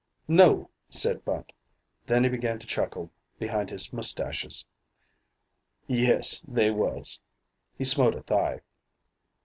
"No," said Bunt. Then he began to chuckle behind his mustaches. "Yes, they was." He smote a thigh.